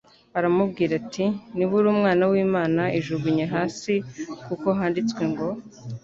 aramubwira ati, “Niba uri Umwana w'Imana, ijugunye hasi kuko handitswe ngo